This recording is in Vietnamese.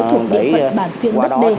thuộc địa phận bản phiên đất b